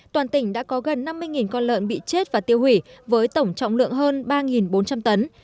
toàn tỉnh đã có gần năm mươi con lợn bị chết và tiêu hủy với tổng trọng lượng hơn ba bốn trăm linh tấn